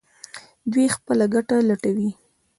دوی خپله ګټه لټوي.